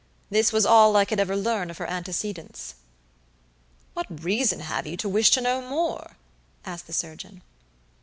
This was all I could ever learn of her antecedents." "What reason have you to wish to know more?" asked the surgeon.